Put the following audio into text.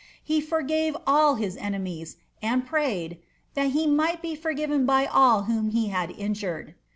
lie forgave all his enemies, and praynl *• that he also might be forgiven by all whom he had injured."'